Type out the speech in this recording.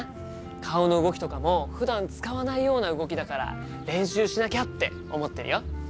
顔の動きとかもふだん使わないような動きだから練習しなきゃって思ってるよ。